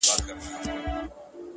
چي لمن د شپې خورېږي ورځ تېرېږي،